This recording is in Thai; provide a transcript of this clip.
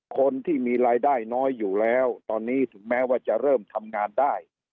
คนที่มีรายได้น้อยอยู่แล้วตอนนี้ถึงแม้ว่าจะเริ่มทำงานได้